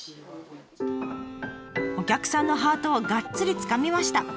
お客さんのハートをがっつりつかみました。